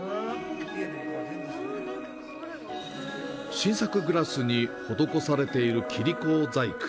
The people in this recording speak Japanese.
晋作グラスに施されている切子細工。